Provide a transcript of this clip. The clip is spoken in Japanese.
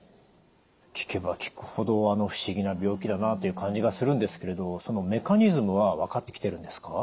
聞けば聞くほど不思議な病気だなという感じがするんですけれどそのメカニズムは分かってきてるんですか？